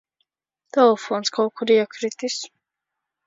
Telefons kaut kur iekritis.